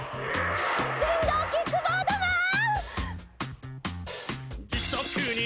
電動キックボードマン！